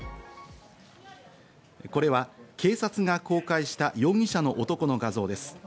これは警察が公開した容疑者の男の画像です。